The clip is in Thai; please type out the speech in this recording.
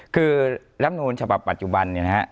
คือรัฐภาพปัจจุบันเนี่ยฮะ